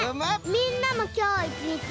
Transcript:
みんなもきょういちにち。